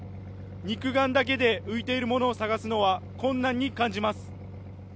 肉眼だけで浮いているものを探すのは困難に感じます。